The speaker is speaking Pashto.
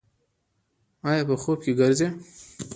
ایا په خوب کې ګرځئ؟